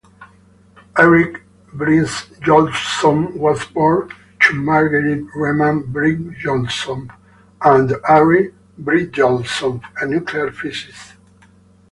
Erik Brynjolfsson was born to Marguerite Reman Brynjolfsson and Ari Brynjolfsson, a nuclear physicist.